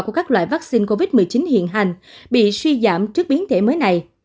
của các loại vaccine covid một mươi chín hiện hành bị suy giảm trước biến thể mới này